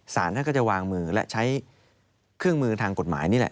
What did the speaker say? สารท่านก็จะวางมือและใช้เครื่องมือทางกฎหมายนี่แหละ